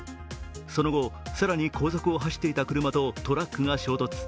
その後、更に後続を走っていた車とトラックが衝突。